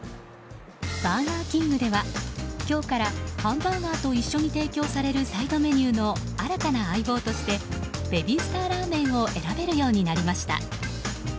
バーガーキングでは今日からハンバーガーと一緒に提供されるサイドメニューの新たな相棒としてベビースターラーメンを選べるようになりました。